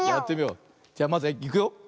じゃまずいくよ。